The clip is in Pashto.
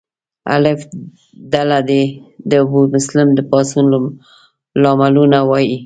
الف ډله دې د ابومسلم د پاڅون لاملونه ووایي.